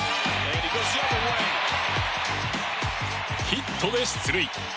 ヒットで出塁。